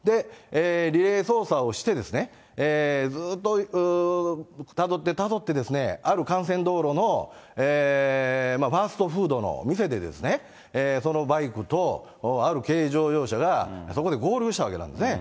リレー捜査をして、ずーっとたどって、たどって、ある幹線道路のファーストフードの店で、そのバイクとある軽乗用車がそこで合流したわけなんですね。